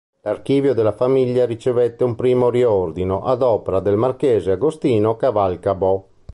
L'archivio della famiglia ricevette un primo riordino ad opera del marchese Agostino Cavalcabò.